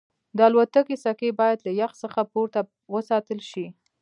د الوتکې سکي باید له یخ څخه پورته وساتل شي